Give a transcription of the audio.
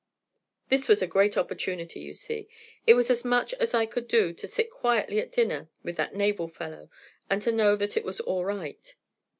This was a grand opportunity, you see. It was as much as I could do to sit quietly at dinner with that naval fellow, and to know that it was all right.